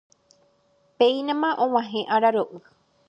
Péinama og̃uahẽ araro'y